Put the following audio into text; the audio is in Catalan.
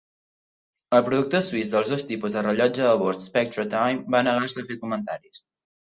El productor suís dels dos tipus de rellotge a bord SpectraTime va negar-se a fer comentaris.